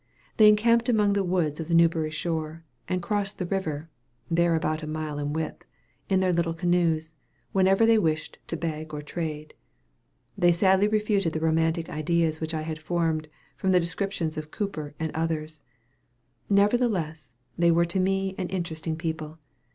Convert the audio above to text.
They encamped among the woods of the Newbury shore, and crossed the river (there about a mile in width) in their little canoes, whenever they wished to beg or trade. They sadly refuted the romantic ideas which I had formed from the descriptions of Cooper and others; nevertheless, they were to me an interesting people.